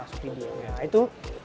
subsidi nah itu